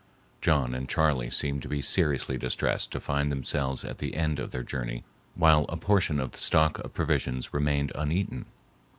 John and Charley seemed to be seriously distressed to find themselves at the end of their journey while a portion of the stock of provisions remained uneaten.